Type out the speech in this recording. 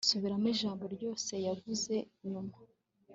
subiramo ijambo ryose yavuze nyuma